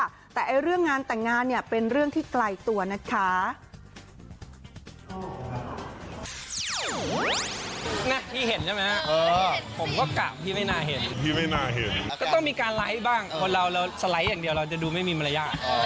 ก็ต้องมีการไลค์บ้างคนเราเราสไลค์อย่างเดียวเราจะดูไม่มีมารยาท